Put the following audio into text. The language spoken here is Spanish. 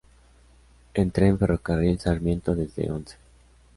En tren: Ferrocarril Sarmiento, desde Once.